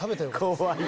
怖い。